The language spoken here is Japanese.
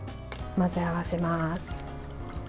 混ぜ合わせます。